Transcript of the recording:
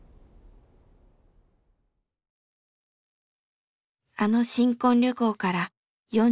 あの新婚旅行から４５年。